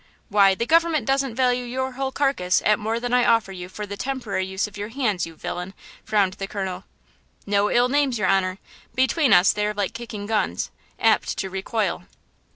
"Why, the government doesn't value your whole carcass at more than I offer you for the temporary use of your hands, you villain!" frowned the colonel. "No ill names, your honor–between us they are like kicking guns–apt to recoil!"